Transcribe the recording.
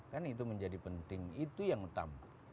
kan itu menjadi penting itu yang utama